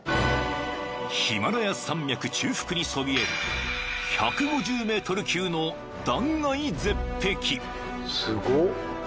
［ヒマラヤ山脈中腹にそびえる１５０ｍ級の断崖絶壁］